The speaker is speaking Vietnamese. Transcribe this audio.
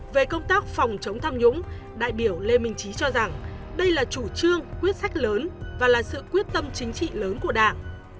về công tác phòng chống tham nhũng đại biểu lê minh trí cho rằng đây là chủ trương quyết sách lớn và là sự quyết tâm chính trị lớn của đảng